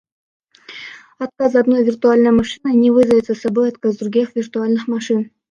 Отказ одной виртуальной машины не вызовет за собой отказ других виртуальных машин